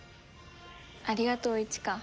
ありがとう一嘉。